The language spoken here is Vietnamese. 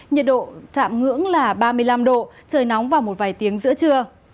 nhiệt độ chạm ngưỡng là ba mươi năm độ trời nóng vào một vài tiếng giữa trưa